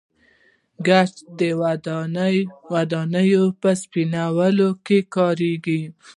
ګچ د ودانیو په سپینولو کې کاریږي.